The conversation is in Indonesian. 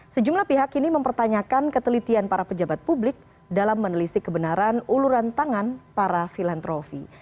sejumlah pihak ini mempertanyakan ketelitian para pejabat publik dalam menelisik kebenaran uluran tangan para filantrofi